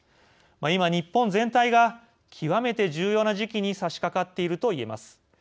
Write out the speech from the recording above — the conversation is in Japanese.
今日本全体が極めて重要な時期にさしかかっているといえます。